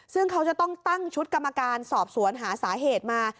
ซึ่งเขาจะต้องตั้งชุดกรรมการสอบสวนหาสาเหตุมา